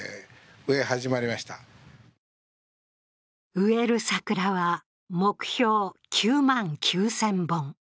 植える桜は目標９万９０００本。